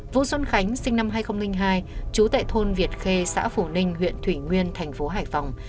vũ xuân khánh sinh năm hai nghìn hai trú tại thôn việt khê xã phổ ninh huyện thủy nguyên thành phố hải phòng